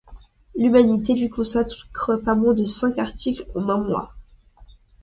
L'Humanité lui consacre pas moins de cinq articles en un mois.